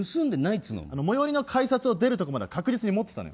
最寄りの改札を出るまでは確実に持ってたのよ。